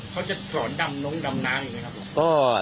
เขาจะสอนดำน้องดำน้ำอีกไหมครับผม